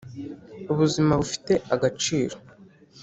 Ubuzima bufite agaciro .